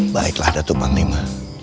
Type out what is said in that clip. baiklah datuk panglima